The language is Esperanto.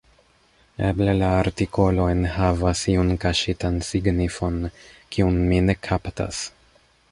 Eble la artikolo enhavas iun kaŝitan signifon, kiun mi ne kaptas.